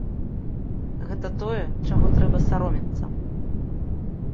Гэта тое, чаго трэба саромецца.